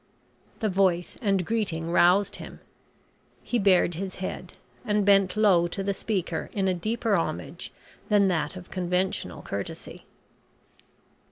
The voice and greeting roused him. He bared his head and bent low to the speaker in a deeper homage than that of conventional courtesy.